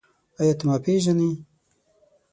ایا ته ما پېژنې؟